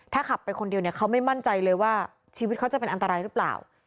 ถ้าขับไปคนเดียวเนี่ยเขาไม่มั่นใจเลยว่าชีวิตเขาจะเป็นอันตรายหรือเปล่า